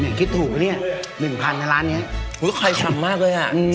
อย่างคิดถูกเนี้ยเป็นผันในร้านเนี้ยอุ้ยไข่ชำมากเลยอ่ะอื้ม